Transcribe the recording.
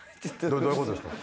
どういう事ですか？